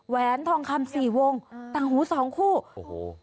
แหนทองคำสี่วงอืมต่างหูสองคู่โอ้โห